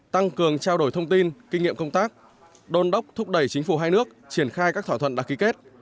tăng cường trao đổi thông tin kinh nghiệm công tác đôn đốc thúc đẩy chính phủ hai nước triển khai các thỏa thuận đã ký kết